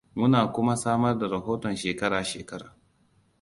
Muna kuma samar da rahoton shekara-shekara.